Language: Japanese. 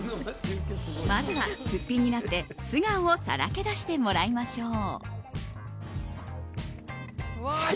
まずは、すっぴんになって素顔をさらけ出してもらいましょう。